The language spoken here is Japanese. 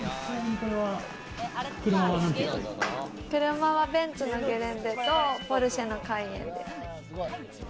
車はメンツのゲレンデとポルシェのカイエンです。